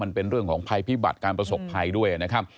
มันเป็นเรื่องของภัยพิบัติการประสบภัยด้วยนะครับ